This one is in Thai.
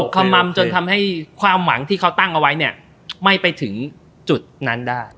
ขมัมจนทำให้ความหวังที่เขาตั้งเอาไว้เนี่ยไม่ไปถึงจุดนั้นได้